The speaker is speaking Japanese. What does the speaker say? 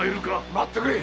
待ってくれ！